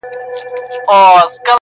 په تور یې د پردۍ میني نیولی جهاني یم -